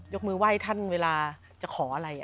ยกมือว่ายท่านเวลาจะขออะไร